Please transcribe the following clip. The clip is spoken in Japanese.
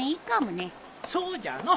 そうじゃの。